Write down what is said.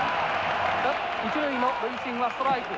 一塁の塁審はストライク。